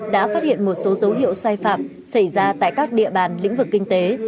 đã phát hiện một số dấu hiệu sai phạm xảy ra tại các địa bàn lĩnh vực kinh tế